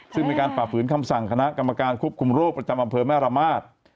ซึ่งมีการฝ่าฝืนคำสั่งคณะกรรมการควบคุมโรคประจำอำเภอแม่ระมาท